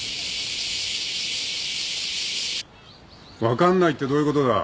分かんないってどういうことだ？